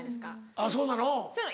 あっそうなの？